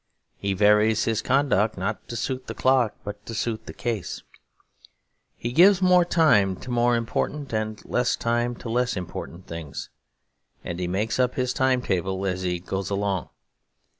He varies his conduct not to suit the clock but to suit the case. He gives more time to more important and less time to less important things; and he makes up his time table as he goes along.